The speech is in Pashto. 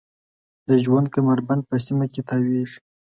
د ژوند کمربند په سیمه کې تاویږي.